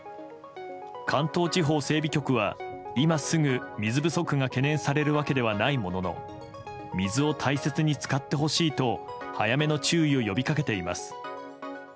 関東地方整備局は今すぐ水不足が懸念されるわけではないものの水を大切に使ってほしいと早めの注意を呼び掛けています。